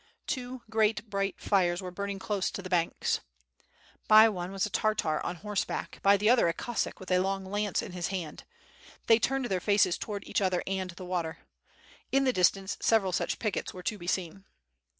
Two great bright fires were burning close to the banks. By one was a Tartar on horseback, by the other a Cossack with a long lance in his hand. They turned their faces to ward each other and the water. In the distance several such pickets were to be seen.